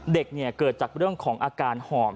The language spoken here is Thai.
เกิดจากเรื่องของอาการหอบ